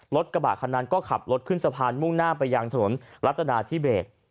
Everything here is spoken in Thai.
รถกระบะคันนั้นก็ขับรถขึ้นสะพานมุ่งหน้าไปยังถนนรัฐนาธิเบส